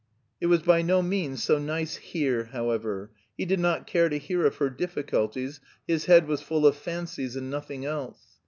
It was by no means so nice "here", however. He did not care to hear of her difficulties; his head was full of fancies and nothing else.